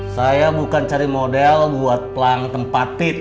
saya bukan cari model buat pelang tempatin